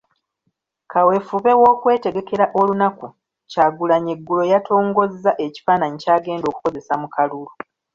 Kawefube w'okwetegekera olunaku Kyagulanyi eggulo yaatongozza ekifaananyi ky'agenda okukozesa mu kalulu.